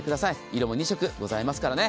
色も２色ございますからね。